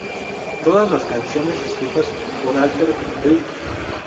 Todas las canciones escritas por Alter Bridge.